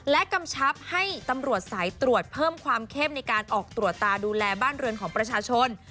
และกำชับให้ตำรวจสายตรวจเพิ่มความเข้มในการออกตรวจตาดูแลบ้านเรือนของประชาชน